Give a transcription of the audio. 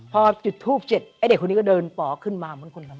พอจุดทูป๗เด็กคนนี้ก็เดินปอขึ้นมาเหมือนคนละมัน